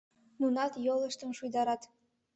Нунат йолыштым шуйдарат.